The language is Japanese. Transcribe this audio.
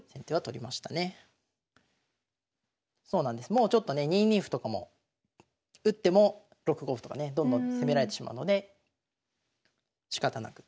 もうちょっとね２二歩とかも打っても６五歩とかねどんどん攻められてしまうのでしかたなく